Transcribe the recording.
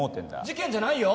事件じゃないよ。